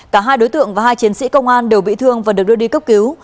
cả hai đối tượng và hai chiến sĩ công an đều bị thương và được đưa đi cấp cứu